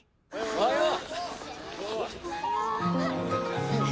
おはよう。